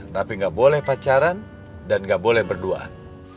tapi gak boleh pacaran dan gak boleh berduaan